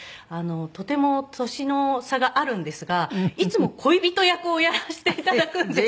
とても年の差があるんですがいつも恋人役をやらせて頂くんです。